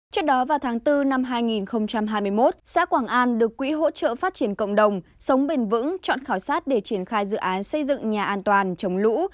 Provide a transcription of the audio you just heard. trước đó vào tháng bốn năm hai nghìn hai mươi một xã quảng an được quỹ hỗ trợ phát triển cộng đồng sống bền vững chọn khảo sát để triển khai dự án xây dựng nhà an toàn chống lũ